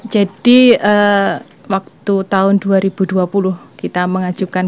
jadi waktu tahun dua ribu dua puluh kita mengajukan